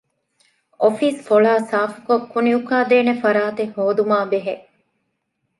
އޮފީސް ފޮޅާ ސާފުކޮށް ކުނިއުކާދޭނެ ފަރާތެއް ހޯދުމާބެހޭ